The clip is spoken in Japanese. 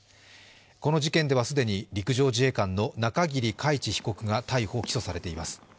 この事件では既に陸上自衛官の中桐海知被告が逮捕・起訴されています。